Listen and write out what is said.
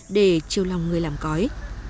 để chiêu lòng người làm cõi